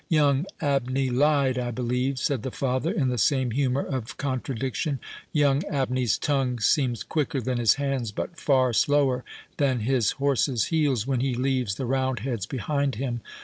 "Young Abney lied, I believe," said the father, in the same humour of contradiction—"Young Abney's tongue seems quicker than his hands, but far slower than his horse's heels when he leaves the roundheads behind him.